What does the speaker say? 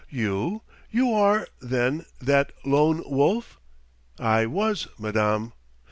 "You? You are, then, that Lone Wolf?" "I was, madame."